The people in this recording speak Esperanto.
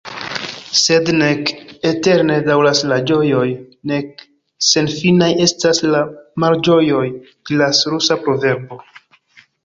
Sed « nek eterne daŭras la ĝojoj, nek senfinaj estas la malĝojoj », diras rusa proverbo.